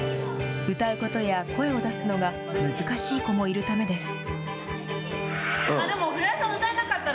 歌うことや声を出すのが難しい子もいるためです。